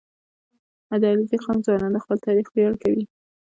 • د علیزي قوم ځوانان د خپل تاریخ ویاړ کوي.